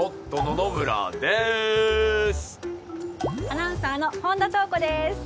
アナウンサーの本田燈子です。